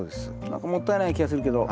何かもったいない気がするけど。